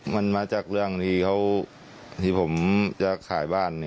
มันมาจากเรื่องที่ผมจะขายบ้าน